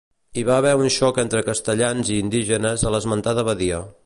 Hi va haver un xoc entre castellans i indígenes a l'esmentada badia.